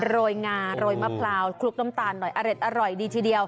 โรยงาโรยมะพร้าวคลุกน้ำตาลหน่อยอร่อยดีทีเดียว